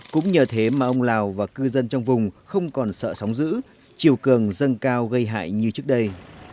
cũng nhờ thế mà ông lào và cư dân trong vùng không còn sợ sóng giữ chiều cường dâng cao gây hại như trước đây